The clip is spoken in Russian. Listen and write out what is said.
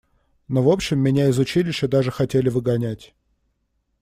Ну, в общем, меня из училища даже хотели выгонять.